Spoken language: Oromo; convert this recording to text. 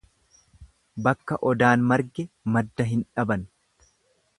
Bakka Odaan marge madda hin dhaban.